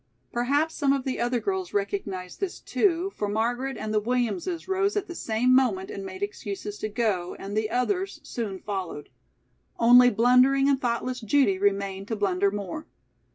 Perhaps some of the other girls recognized this, too, for Margaret and the Williamses rose at the same moment and made excuses to go, and the others soon followed. Only blundering and thoughtless Judy remained to blunder more.